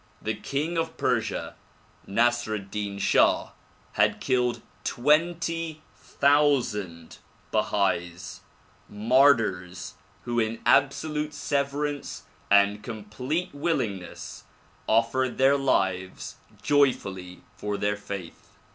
The king of Persia, Nasr ed Din Shah had killed twenty thousand Bahais, mar tyrs who in absolute severance and complete willingness offered their lives joyfully for their faith.